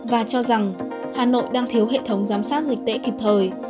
và cho rằng hà nội đang thiếu hệ thống giám sát dịch tễ kịp thời